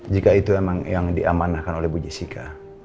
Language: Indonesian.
jika itu memang yang diamanahkan oleh bu jessica